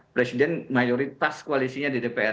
presiden mayoritas koalisinya di dpr